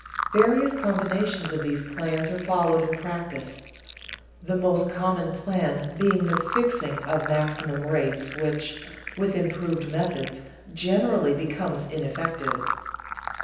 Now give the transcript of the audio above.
Various combinations of these plans are followed in practice, the most common plan being the fixing of maximum rates which, with improved methods, generally become ineffective.